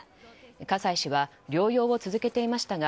葛西氏は療養を続けていましたが